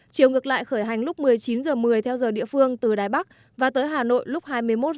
chiều ngược lại khởi hành lúc một mươi chín h một mươi theo giờ địa phương từ đài bắc và tới hà nội lúc hai mươi một h